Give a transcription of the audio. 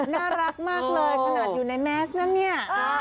น่ารักมากเลยขนาดอยู่ในแมสนะเนี่ย